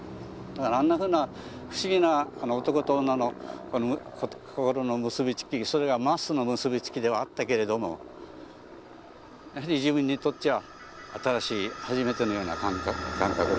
だからあんなふうな不思議な男と女の心の結び付きそれがマスの結び付きではあったけれどもやはり自分にとっちゃ新しい初めてのような感覚。